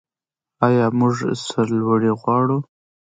آیا موږ سرلوړي غواړو؟